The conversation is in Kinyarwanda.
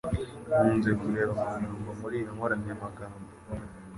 Nkunze kureba amagambo muri iyo nkoranyamagambo.